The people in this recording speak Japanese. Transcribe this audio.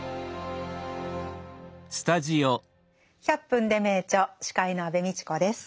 「１００分ｄｅ名著」司会の安部みちこです。